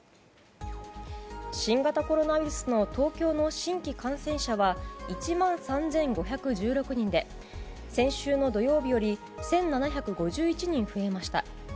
新型コロナウイルスの東京の新規感染者は１万３５１６人で先週の土曜日より１７５１人増えました。